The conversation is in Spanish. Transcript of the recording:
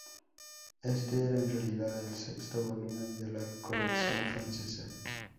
Este era en realidad el sexto volumen de la colección francesa.